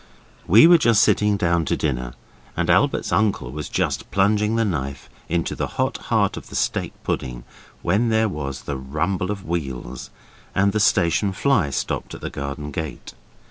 We were just sitting down to dinner, and Albert's uncle was just plunging the knife into the hot heart of the steak pudding, when there was the rumble of wheels, and the station fly stopped at the garden gate.